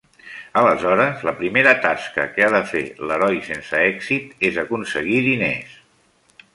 Aleshores, la primera tasca que ha de fer l'heroi sense èxit és aconseguir diners.